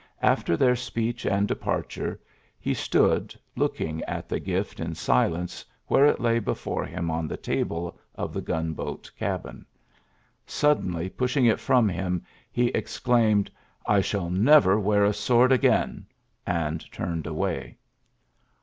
After their speech 1 departure, he stood looking at the b in silence where it lay before him on t table of the gunboat cabin. Sud ily pushing it from him, he ex imed, ^^I shall never wear a sword i»inl'' and turned away.